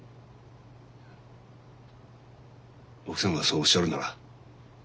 奥さんがそうおっしゃるなら。